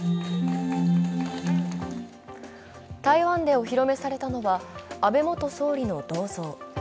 台湾でお披露目されたのは安倍元総理の銅像。